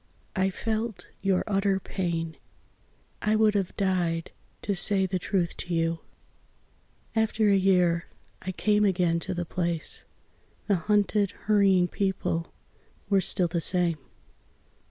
I felt your utter pain. I would have died to say the truth to you. After a year I came again to the place The hunted hurrying people were still the same....